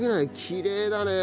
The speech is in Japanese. きれいだね。